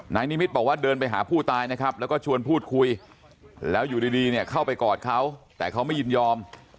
นิมิตบอกว่าเดินไปหาผู้ตายนะครับแล้วก็ชวนพูดคุยแล้วอยู่ดีเนี่ยเข้าไปกอดเขาแต่เขาไม่ยินยอม